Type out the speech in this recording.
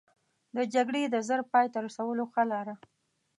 د جګړې د ژر پای ته رسولو ښه لاره.